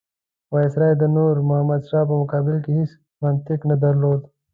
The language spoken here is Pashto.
وایسرا د نور محمد شاه په مقابل کې هېڅ منطق نه درلود.